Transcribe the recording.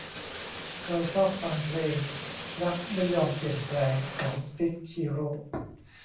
เราชอบฟังเพลง รักไม่ยอมเปลี่ยนแปลง ของติ๊ก ชิโร่